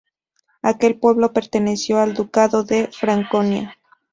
Aquel pueblo perteneció al Ducado de Franconia.